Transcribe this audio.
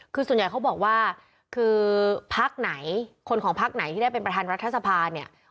คือส่วนใหญ่เขาบอกว่าคนของภาคนายถ้าได้เป็นประธานรัฐสภา